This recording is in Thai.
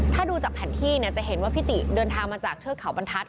ถ้าดูจากแผนที่เนี่ยจะเห็นว่าพี่ติเดินทางมาจากเทือกเขาบรรทัศน